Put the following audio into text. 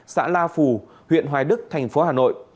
xã la phù huyện hoài đức thành phố hà nội